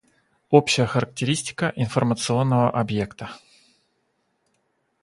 Общая характеристика информационного объекта.